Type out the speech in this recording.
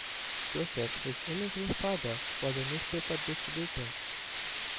Joseph, his immigrant father, was a newspaper distributor.